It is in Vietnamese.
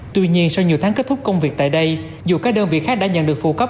tuy nhiên sau nhiều tháng kết thúc công việc tại đây dù các đơn vị khác đã nhận được phụ cấp